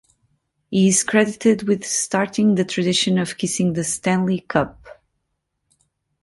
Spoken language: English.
He is credited with starting the tradition of kissing the Stanley Cup.